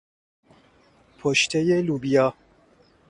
پشتهی لوبیا